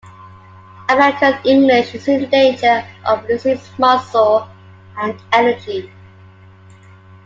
American English is in danger of losing its muscle and energy.